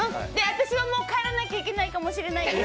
私はもう帰らないといけないかもしれないです！